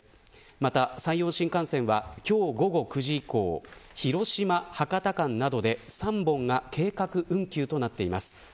また、山陽新幹線は今日午後９時以降広島、博多間などで３本が計画運休となっています。